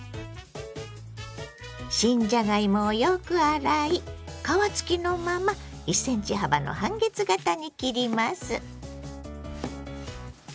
新じゃがいもをよく洗い皮付きのまま１ｃｍ幅の半月形に切ります。